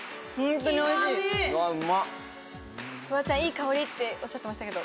フワちゃんいい香り！とおっしゃってましたけど。